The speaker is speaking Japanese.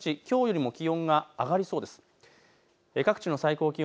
ですからあす各地、きょうよりも気温が上がりそうです。